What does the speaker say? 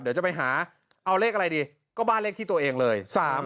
เดี๋ยวจะไปหาเอาเลขอะไรดีก็บ้านเลขที่ตัวเองเลย